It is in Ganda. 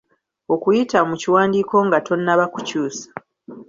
Okuyita mu kiwandiiko nga tonnaba kukyusa